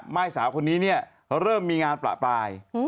ไม่สาวคนนี้เนี่ยเริ่มมีงานประปราย